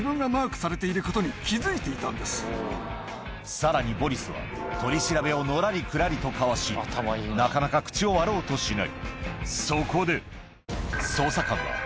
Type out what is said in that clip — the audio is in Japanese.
さらにボリスはをのらりくらりとかわしなかなか口を割ろうとしない